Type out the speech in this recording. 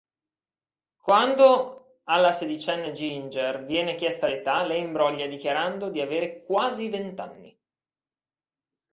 Quando alla sedicenne Ginger viene chiesta l'età, lei imbroglia, dichiarando di avere "quasi" vent'anni.